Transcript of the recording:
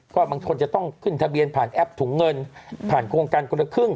ก็บางคนจะต้องขึ้นทะเบียนผ่านแอปถุงเงินผ่านโครงการคนละครึ่ง